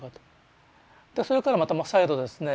それからまた再度ですね